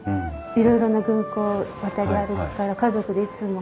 いろいろな軍港を渡り歩くから家族でいつも。